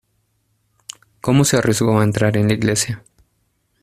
¿ cómo se arriesgó a entrar en la iglesia?